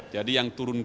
jadi yang turun gunung